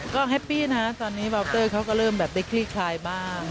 ก็เริ่มดังเย็นตอนนี้วาวเตอร์เขาก็เริ่มไปคลี่คลายบ้าง